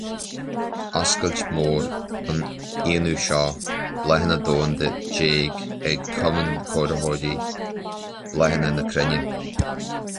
Oscailt Mór an aonú Seó Bláthanna Domhanda déag ag Cumann Cóiritheoirí Bláthanna na Cruinne.